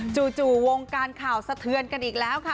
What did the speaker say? จู่วงการข่าวสะเทือนกันอีกแล้วค่ะ